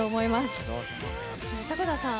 迫田さん